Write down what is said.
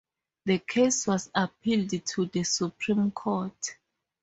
The case was appealed to the Supreme Court.